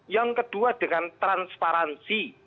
yang kedua dengan transparansi